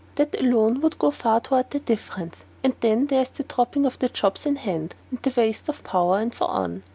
That alone would go far toward the difference, and then there is the dropping of the jobs in hand, and waste of power, and so on.